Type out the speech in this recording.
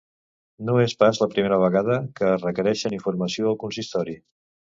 No és pas la primera vegada que requereixen informació al consistori.